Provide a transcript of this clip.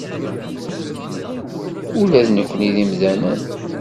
Ula d nekkni d imdanen.